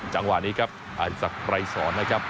จังหวะนี้ครับอธิสักไกรสอนนะครับ